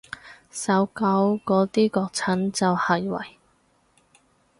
搜狗嗰啲國產就係為